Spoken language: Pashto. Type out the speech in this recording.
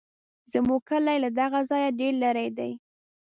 زموږ کلی له دغه ځایه ډېر لرې دی.